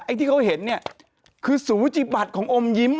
ที่เขาเห็นเนี่ยคือสูจิบัติของอมยิ้ม